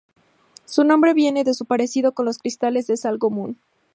Su nombre viene de su parecido con los cristales de sal común.